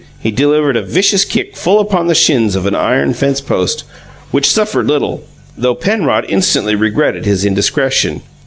He delivered a vicious kick full upon the shins of an iron fence post, which suffered little, though Penrod instantly regretted his indiscretion.